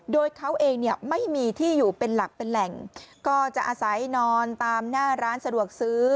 โดยเขาเองเนี่ยไม่มีที่อยู่เป็นหลักเป็นแหล่งก็จะอาศัยนอนตามหน้าร้านสะดวกซื้อ